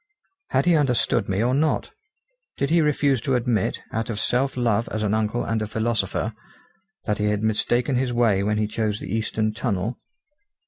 Had he understood me or not? Did he refuse to admit, out of self love as an uncle and a philosopher, that he had mistaken his way when he chose the eastern tunnel?